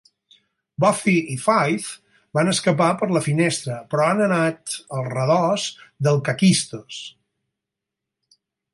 Buffy i Faith van escapar per la finestra, però han anat al redós del Kakistos.